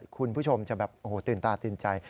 คุณผู้ชมจะแบบโอ้โหตื่นตาตื่นใจ